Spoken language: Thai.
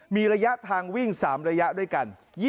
มีระยะทางวิ่ง๓ระยะด้วยกัน